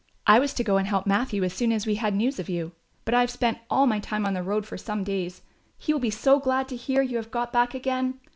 I was to go and help Matthew as soon as we had news of you; but I have spent all my time on the road for some days. He will be so glad to hear you have got back again.